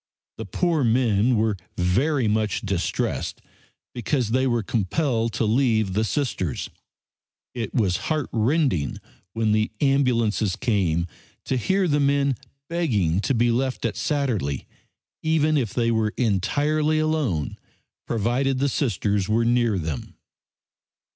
The poor men were very much distressed because they were compelled to leave the Sisters. It was heartrending when the ambulances came to hear the men begging to be left at Satterlee, even if they were entirely alone, provided the Sisters were near them.